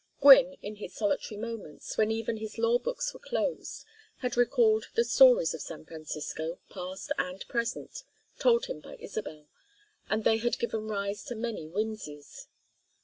Gwynne, in his solitary moments, when even his law books were closed, had recalled the stories of San Francisco, past and present, told him by Isabel, and they had given rise to many whimsies.